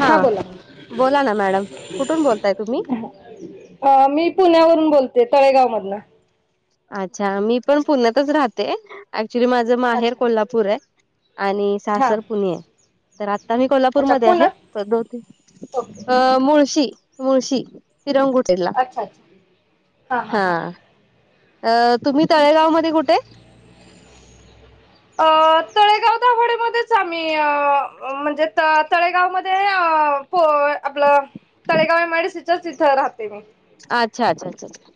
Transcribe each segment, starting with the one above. हा, बोला ना मॅडम, कुठून बोलताय तुम्ही? अ, मी पुण्यावरून बोलते, तळेगावमधन अच्छा, मी पण पुण्यातच राहते, ऍक्च्युली माझं माहेर अच्छा कोल्हा पूर आहे, आणि हा सासर पुणे आहे, तर आता मी अच्छा कोल्हापूरमध्ये आहे, पुण्यात प दोन तीन ओके अ, मुळशी- मुळशी चिरंगुटीला अच्छा अच्छा हा अ, तुम्ही तळेगाव मध्ये कुठे? अ तळेगाव दाभाडे मध्येच आम्ही अ अ म्हणजे त तळेगाव मध्ये अ होय, आपलं Talegaon M I D C च्या तिथंच राहते मी आच्छा - आच्छा, छा, छा, छा,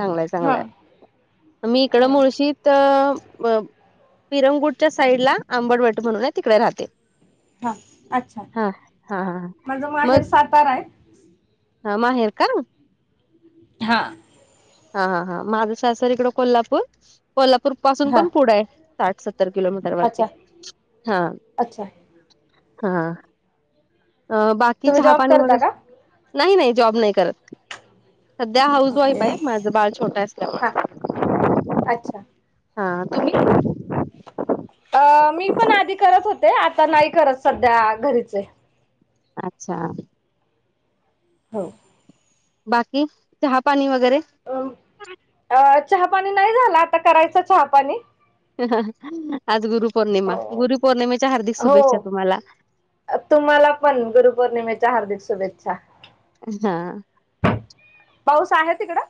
चांगलाय हा -चांगलाय मी इकडं हम्म. मुळशीत म मीरंगूटच्या साईटला, आंबटवट म्हणून हाय तिकडे राहते. हा, अच्छा हा हा हा माझं मग माहेर सातारा आहे हा, माहेर का? हा हा- हा -हा, माझं सासर इकडं कोल्हापूर, कोल्हापूरपासून हा पण पुढं हाय, साठ सत्त त्तर किलोमीटरवरती, अच्छा हा अच्छा -हा अ बाकी तुम्ही चहा जॉब पाणी करता वगैरे, का नाही- नाही जॉब नाही करत. सध्या, हाऊस वाईफ ओके हाय, माझं बाळ छोटं हा असल्यामुळं अच्छा हा, तुम्ही? अ मी पण आधी करत होते, आता नाही करत, सध्या घरीच आहे अच्छा हो बाकी, चहा पाणी वगैरे? अम अ चहापाणी नाय झाला, आत्ता करायचा चहापाणी ह -ह -ह, आज हो गुरुपौर्णिमा, गुरुपौर्णिमेच्या हार्दिक शुभेच्छा तुम्हाला. अ तुम्हाला पण, गुरुपौर्णिमेच्या हार्दिक शुभेच्छा. हा पाऊस आहे तिकडं?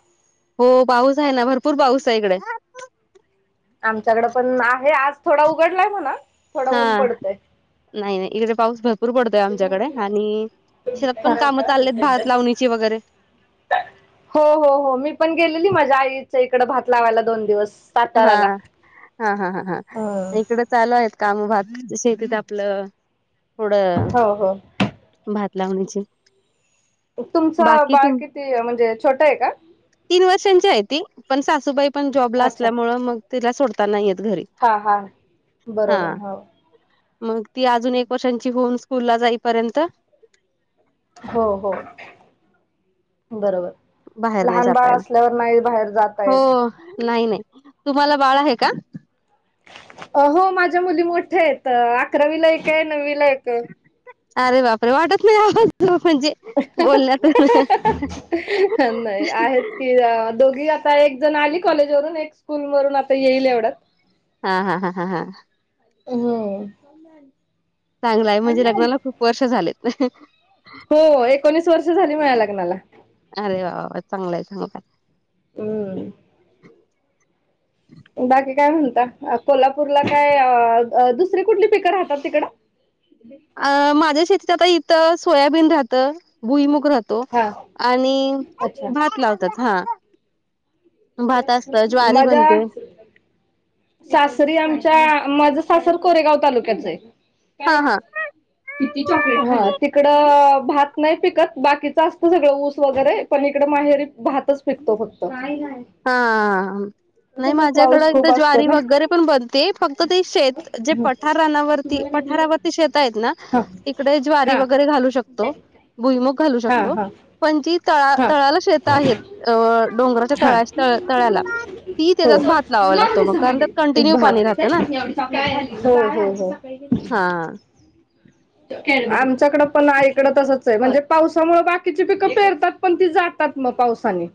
हो पाऊस आहे ना, भरपूर पाऊस हाय इकडं आमच्याकडं पण आहे, आज थोडा उघडलाय म्हणा थोडा हा, ऊन पडतंय. नाही - नाही इकडे पाऊस भ रपूर पडतोय आमच्याकडे आणि शेतपण कामं चाललेत, भात लावणी ची वगैरे हो- हो- हो, मी पण गेलेली माझ्या आईच्या इकडं, भात लावायला दोन दिवस हा, साताराला. हा -हा -हा -हा, आता इकडं चालू आहेत कामं, भात शेतीत आपलं, थोडं हो हो. भात लावणीची. तुमचं बाळ किती म्हणजे छोटाए का. तीन वर्षांची आहे ती पण सासू बाई पण जॉबला. अच्छा. असल्यामुळे मग तिला सोडता नाही येत घरी हा हा बरोबर हा. मग ती अजून एक वर्षांची होऊन कुल्ला जाईपर्यंत. हो हो बरोबर. बाहेर नाही लहान जाता बाळ येणार असल्यावर नाही बाहेर जाता येत. हो नाही नाही. तुम्हाला बाळ आहे का. अ हो माझ्या मुली मोठ्या एक अकरावीला एक के नववीला एके. अरे बापरे वाटत नाही आवाज [unintelligible] म्हणजे. बोलण्यातून भ भ ह ह ह. ते अ दोघी आता एक जण आली कॉलेजवरून एक स्कूल वरून येईल आता एवढ्यात. हा हा हा हा हा. हो हो हो. चांगलं ए म्हणजे लग्नाला खूप वर्ष झालेत. हो एकोणीस वर्ष झाले माझ्या लग्नाला. अरे वा वा वा चांगलं ए चांगलं ए. हम्म. बाकी काय म्हणता कोल्हापूरला काय दुसरी कुठली पिकं राहतात तिकडं. [inaudible] अ माझ्या शेतीत आता इथं सोयाबीन राहतं भुईमुग राहत हा आणि अच्छा भात लावतात हा. भात असत ज्वारी बनते. माझ्या सासरी आमच्या माझ सासर कोरेगाव तालुक्याच आहे काय. हा हा तिकडं भात नाही पिकत बाकीचं असतं सगळं ऊस वगैरे पण इकडे माहेरी भातच पिकतो फक्त. हा. नाही माझ्याकड पाऊस खूप असतो ज्वारी ना वगैरे पण बनते फक्त ते शेत जे पठारणावरती पठारावर. शेत आहेत ना हा इकडे ज्वारी हा वगैरे घालू शकतो. भुईमुग घालू हा शकतो हा पण जी तळा हा तळाला शेत आहेत अ डोंगराच्या हा तळा. त तळ्याला ती हो त्याच्यात भात लावा लागतो मग कारण त्यात कंटिन्यू भात पाणी राहतं ना. हो हो हो. हा. आमच्याकडं पण आईकडं तसंच आहे म्हणजे पावसामुळे बाकीची पिकं पेरतात. पण ते जातात मग पावसान.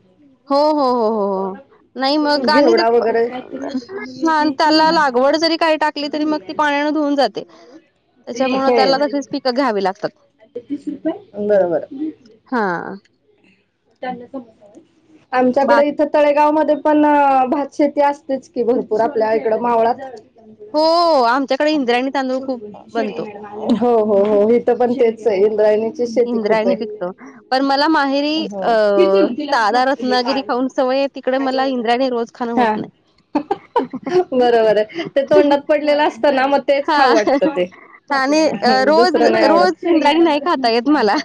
हो हो हो हो हो नाही मग आणि. घेवडा वगैरे त्याला लागवड जरी टाकली तरी मग ती पाण्यान धुऊून जाते. हो त्याला तशीच पिकं घ्यावी लागतात बरोबर हा. बा आमच्याकडे इथ. तळेगाव मध्ये पण भात शेती असतेच की भरपूर आपल्या इकड मावळात. हो आमच्याकडे इंद्राणी तांदूळ खूप बनतो. हो हो हो हित पण तेच आहे इंद्रायणी. इंद्रायाणी पिकतो पण मला माहेरी हो अ साधा रत्नागिरी खाऊन सवय येत. तिकडे मला इंद्रायणी रोज खाणं होत नाही. बर बर. ते तोंडात पडलेलं असत ना, मग तेच हा खाऊ वाटतं ते. आणि हम्म. रोज दुसरं नाही रोज आवडत. इंद्राणी नाही खाता येत मला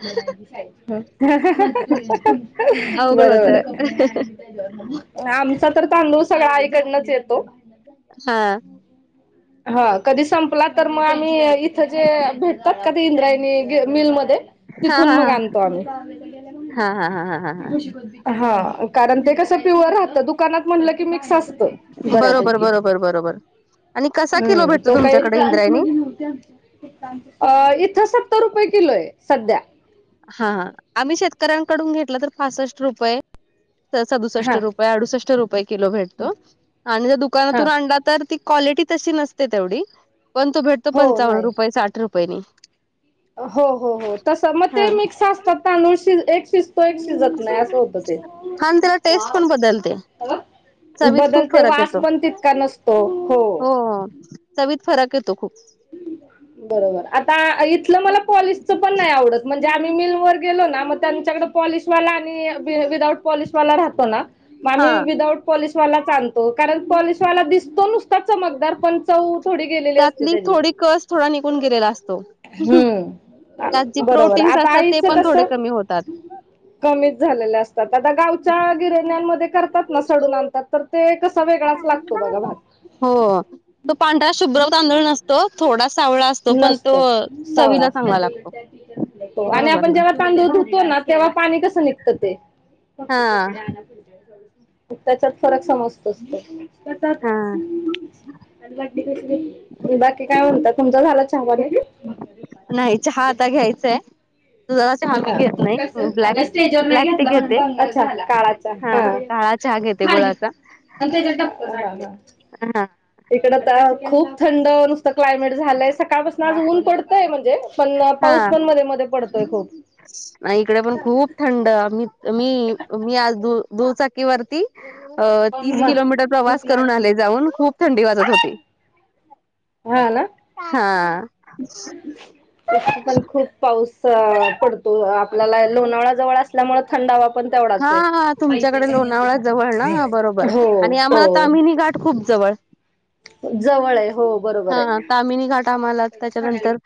अवघड होत बरोबर आहे. आमचा तर तांदूळ सगळा आईकडनच येतो. हा. हा कधी संपला तर म‌ग आम्ही इथं जे भेटतात का ते इंद्रायणी मिलमध्ये हा तिथून हा मग हा आणतो आम्ही. हा हा हा हा हा हा हा, कारण ते कसं प्युअर राहतं. दु कानात म्हटलं की मिक्स असतं बरा बरोबर बरोबर बरोबर. आणि कसा किलो हम्म. भेटतो तो काय तुमच्याकडे इंद्रायणी? [unintelligible] अ इथं सत्तर रुपये किलो आहे सध्या. हा हा. आम्ही शेतकऱ्यांकडून घेतलं तर पासष्ट रुपये, सदुसष्ट हा रुप आडूष्ट रुपये किलो भेटतो आणि जर हा दुकानातून आणला तर ते क्वालिटी तशी नसते तेवढी, पण तो भेटतो हो पंचावन्न नाही. रुपये साठ रुपयेनी. हो हो हो. तसं मग ते हां. मिक्स असतात तांदूळ शिज एक शि जतो एक शिजत नाही असं होत ते. हां आणि त्याला टेस्ट पण बदलते. चवीत खूप बदलते फरक वास येतो. पण तितका नसतो हो. चवीत फरक येतो खूप. बरोबर. आता इथलं मला पॉलिसचं पण नाही आवडत म्हणजे आम्ही मिलवरर गेलो ना मग त्यांच्याकडं पॉलिशवाला आणि वि-विदाऊट पॉलिशवाला राहतो ना मग आम्ही हां, विदाउट पॉलीशवालाच आणतो. कारण पॉलिशवाला दिसतो नुसता चमकदार, पण चव थोडी गेलेली असते त्यातली त्याची. थोडी कस थोडा निघून गेलेला चव हम्म त्यात जी बरोबर प्रोटीन्स आता असतात ते पण आईचं थोडे कसं कमी होतात. कमीच झालेल्या असतात. आता गावच्या गिरण्यामध्ये करतात ना सडून आणतात, तर ते कसा वेगळाच लागतो बघा भात. हो तो पांढरा शुभ्र तांदूळ नसतो, थोडा सावळा अस नसतो सावळा असतो. आणि बरोबर आपण ना जेव्हा तांदूळ धुतो ना तेव्हा पाणी कसं निघतं ते? मग हा त्याच्यात फरक समजतोच की. हा बाकी काय म्हणतात. झाला चहा पाणी? नाही चहा आता घ्यायचाय. दुधाचा चहा घेत हा मी घेत नाही. ब्लॅक ब्लॅक टि घेते. अच्छा काळा चहा हा काळा चहा घेते गुळाचा. पण त्याच्यात [unintelligible] हा. इकडं तर खूप थंड नुसतं क्लायमेट झालंय. सकाळपासून आज ऊन पडतंय म्हणजे. पण पाऊस पण मध्ये मध्ये पडतोय खूप. आणि इकडे पण खूप थंड. मी मी मी आज दु-दुचाक ती वरती तीस अ किलोमीटर प्रवास करून आले जाऊन‌. खूप थंडी वाजत होती हा ना हा. तसं पण खूप पाऊस पडतो. आपल्याला लोणावळा जवळ अस असल्यामुळ थंडावा पण हा तेवढाच ये. हा पैसे तुमच्याकडे लोणावळा जवळ ना बरोबर हो आणि आम्हाला हो. तामिनी घाट खूप जवळ. जवळ आहे हो बरोबर हा आहे. तामिनी घाट आम्हाला त्याच्यानंतर.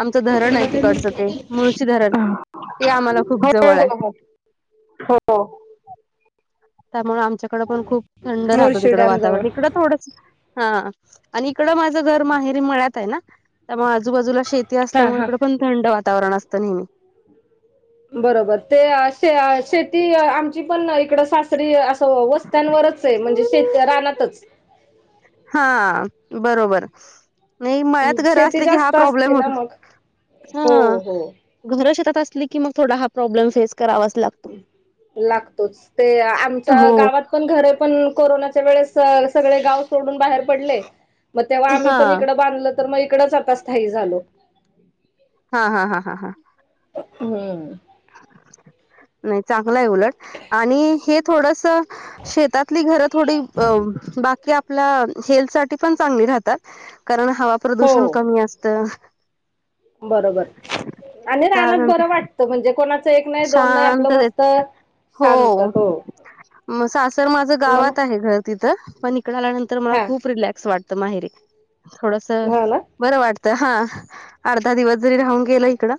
आमचं धरण आहे तिकडचं ते, मुळशी धरण ते आम्हाला खूप हो जवळ हाय. हो हो हो. त्यामुळं आमच्याकडं पण खूप थंड राहतं, मुळशी तिकडं डॅम जवळ वातावरण इकडं थोडंस. हा, आणि इकड माझं घर माहेरी मळ्यात आहे ना. त्यामुळं आजूबाजूला शेती हा असल्यामुळं हा इकडं पण थंड वातावरण असतं नेहमी. बरोबर ते शेती आमची पण, इकड सासरी असं व त्यांनवरच ये म्हणजे, शेत रानातच. हां बरोबर. नयी मळ्यात घर शेती असले की, हा जास्त असते प्रॉब्लेम ना होतो मग हो हा. हो घर शेतात असली की मग, थोडा हा प्रॉब्लेम फेस करावाच लाग लागतोच ते आमचं हो. गावात. पण घरे पण कोरोनाच्या वेळेस सगळे, गाव सोडून बाहेर पडले. मग तेव्हा आम्ही हा पण इकडं बांधल तर मग, इकडचं आता स्थायीक झालो. हा हा हा हा हा. अहं. नाही चांगलं आहे उलट, आणि हे थोडंसं. शेतातली घर थोडी अ बाक की आपल्या हेल्थ साठी पण चांगली राहतात. कारण हवा, हो प्रदूषण कमी असतं. बरोबर आणि, रानात बरं त्यानंतर वाटतं म्हणजे कोणाचं. एक नाही दोन नाही आपलं, शांततेत मस्त हो. शांत हो. मग सासर माझं तुम्हाला गावात आहे घर. तिथं पण इकड आल्यानंतर, मला हा खूप रिलॅक्स वाटतं माहेरी थोडंसं. हो ना बरं वाटतं हा, अर्धा दिवस जरी राहून गेलं इकडं.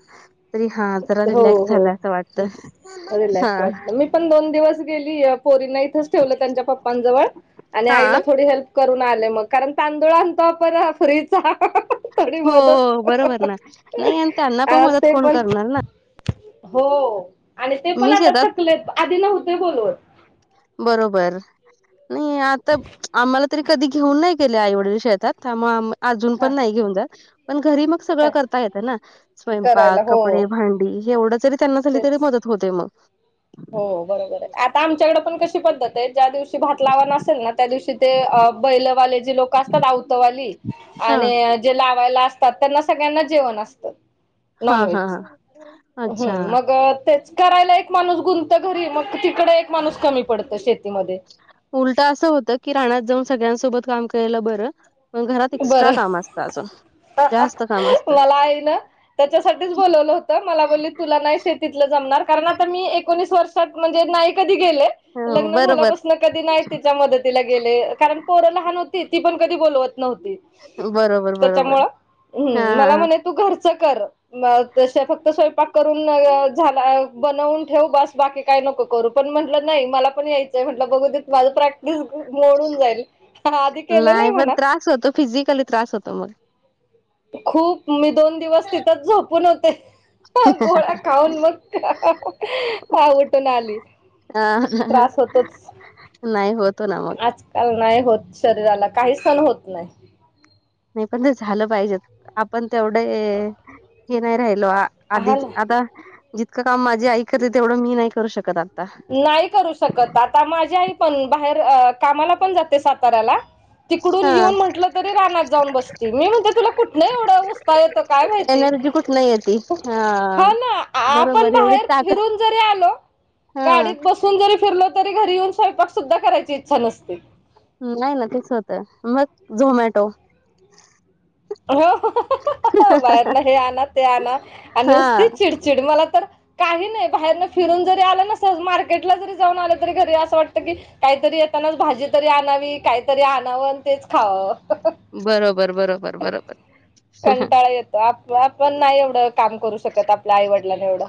तरी हा जरा हो रिलॅक्स हो झाल असं वाटतं. रिलॅक्स हा. वाटलं, मी पण दोन दिवस गेली पोरीना इथंच ठेवलं त्यांच्या पप्पांनजवळ. आणि हा आईला थोडी हेल्प करून आले, मग कारण तांदूळ आणतो पण फ्रीचा. थोडी हो हो मदत बरोबर ना नाही आणि त्यांना पण आ मदत ते कोण पण. करणार ना हो आणि ते पण मी आता शेतात थकलेत, आधी नव्हते बोलवत. बरोबर नाही आता, आम्हाला तर कधी घेऊन नाही. गेले आईवडील शेतात. त्यामुळं अजून हा पण नाही घेऊन जात, पण घरी मग. सगळं काय करता येतयना, स्वयंपाक करायला हो कपडे भांडी हे एवढं जरी त्यांना झाली तरी तेच मदत. होते मग. हो बरोबर आहे. आता आमच्याकडे पण कशी पद्धत आहे, ज्या दिवशी भात लावान अस तेना त्या दिवशी ते बैलवाले जे लोक असतात. आवतवाली हा आणि, जे लावायला असतात, त्यांना सगळ्यांना जेवण असतं. नॉन हा हा व्हेजच, हा अच्छा हम्म मग तेच. करायला एक माणूस गुंत घरी, मग तिकड एक माणूस कमी पडतं शेतीमध्ये. उलट असं होतं की, रानात जाऊन सगळ्यांसोबत काम करायला बरं. पण घरात एक्स्ट्रा बरं काम असतं अजून. जास्त काम असतं मला आई ना त्याच्यासाठीच बोलवलं होतं, मला बोलली तुला नाही शेती तिथल जमणार कारण आता मी एकोनीसवर्षात म्हणजे, नाही कधी गेले हो, लग्न बरोबर झाल्यापासन. कधी नाही तिच्या मदतीला गेले कारण पोर लहान होती ती पण कधी बोलवत नव्हती. बरोबर बरोबर त्याच्यामुळं हा हम् मला हा म्हणे तू घरचं कर. म तसे फक्त स्वयंपाक करून झाला बनवून ठेव बस बाकी. काय नको करू पण म्हटलं नाही मला पण यायचंय् म्हटलं बघू दे मोडून जाईल आधी केलेलं आहे म्हणा. होत फिजिकली त्रास होतो मग. खूप मी दोन दिवस तिथच झोपून होते. ह गोळ्या खाऊन मग ऊवटून आली. हा. त्रास होतोच नाही होतो ना. आजकाल नाही होत शरीराला काही सण होत नाही. नाही पण ते झालं पाहिजे. आपण तेवढे हे नाही राहिलो आधी हा ना आता. जितकं काम माझी आई करते तेवढं मी नाही करू शकत आता. नाही करू शकत आता माझी आई पण बाहेर कामाला पण जाते साताऱ्याला. तिकडून हा येऊन म्हटलं तरी रानात जाऊन बसती मी म्हणते तुला कुठन एवढं उस्ता येतं. काय माहिती एनर्जी कुठन येती. हा ना आपण बरोबर एवढी बाहेर ताकद फिरून जरी आलो. हा गाडीत बसून जरी फिरलो तरी घरी येऊन स्वयंपाक सुद्धा करायची इच्छा नसते. नाही ना तेच होतं मग झोमॅटो. हो बाहेर न हे आण ते आण आणि हा नुसती चिडचिड मला तर. काही नाही बाहेरन फिरून जरी आलं ना स मार्केटला जरी जाऊन आलं तरी घरी असं वाटतं की. काहीतरी येतानाच भाजी तरी आणावी काहीतरी आणावं आणि तेच खावं. बरोबर बरोबर बरोबर. कंटाळा येतो आप आपण नाही काम करू आपल्या आईवडिलांन एवढं.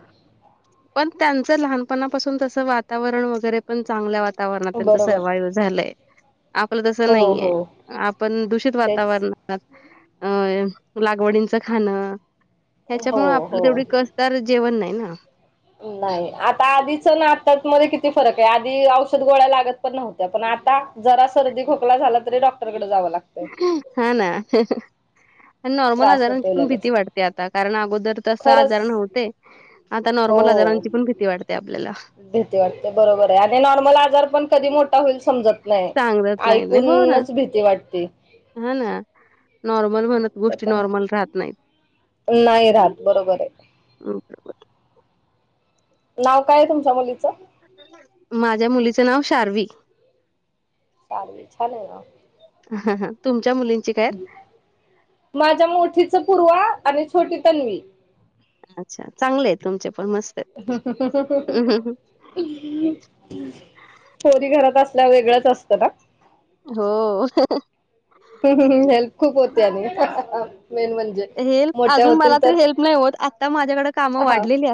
पण त्यांचं लहानपणापासून तसं वातावरण वगैरे पण चांगलं वा. वातावरणात त्यांच बरोबर सर्वायव झालंय आपलं तस हो नाहीये. हो आपण दूषित तेच वातावरण अ लागवडींचं खाणं ह्याच्या हो प् हो कसतार जेवण नाही ना. नाही आता ना आत मध्ये किती आहे आधी औषध. गोळ्या लागत पण नव्हत्या पण आता जरा सर्दी खोकला झाला तरी डॉक्टरकडे जावं लागत. हा ना. आणि नॉर्मल त्रास आजारांची होतोय पण लगेच भीती वाढते आता कारण अगोदर तसा खरंच आजार नव्हत. ते आता हो नॉर्मल आजारांची पण भीती वाटते आपल्याला. भीती वाटते बरोबर आहे आणि नॉर्मल आजार पण कधी मोठा होईल समजत. नाही सांगत नाही ना. हो ना ऐकूनच भीती वाटते. हा ना. नॉर्मल म्हणत गोष्टी त्याच्या नॉर्मल राहत नाही. नाही राहात बरोबर आहे. ओके बा. नाव काय तुमच्या मुलीचं. माझ्या मुलीचं नाव शार्वी. शावीं छान ये नाव. ह तुमच्या मुलींची काय. आहेत? माझ्या मोठी च पूर्वा आणि छोटी तन्वी. अच्छा चांगले आहे तुमचे पण मस्त. ह ह ह आहेत. ह. पोरी घरात आसल्यावर वेगळंच असतं ना? हो. हेल्प खूप होते आणि मेन म्हणजे. हेल्प मोठ्या अजून मला होतील तरी तर हेल्प नाही होत आत्ता माझ्याकडे कामं हा वाढलेलीयत.